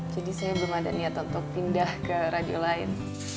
jadi saya belum ada niat untuk pindah ke radio lain